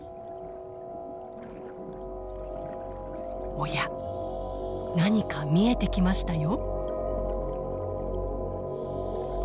おや何か見えてきましたよ。